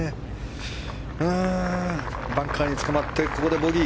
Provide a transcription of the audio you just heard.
バンカーにつかまってボギー。